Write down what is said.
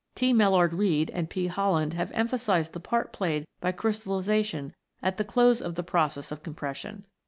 T. Mellard Reade and P. Holland(5D have emphasised the part played by crystallisation at the close of the process of compres sion.